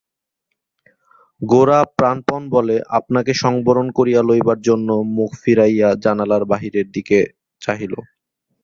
গোরা প্রাণপণ বলে আপনাকে সংবরণ করিয়া লইবার জন্য মুখ ফিরাইয়া জানালার বাহিরের দিকে চাহিল।